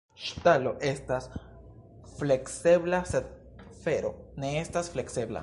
Ŝtalo estas fleksebla, sed fero ne estas fleksebla.